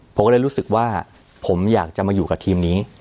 ผมก็เลยรู้สึกว่าผมอยากจะมาอยู่กับทีมนี้